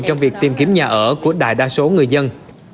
trong việc tìm kiếm nhà ở của đại đa số người dân